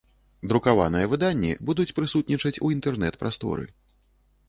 Друкаваныя выданні будуць прысутнічаць у інтэрнэт-прасторы.